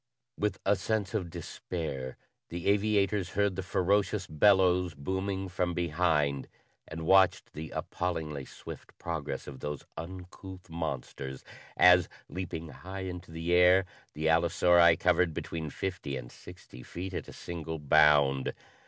With a sense of despair, the aviators heard the ferocious bellows booming from behind and watched the appallingly swift progress of those uncouth monsters as, leaping high into the air, the allosauri covered between fifty and sixty feet at a single bound.